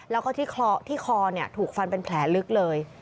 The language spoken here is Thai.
แล้วก็ที่คอถูกฟันเป็นแผลลึกเลย